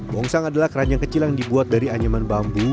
mongsang adalah keranjang kecil yang dibuat dari anyaman bambu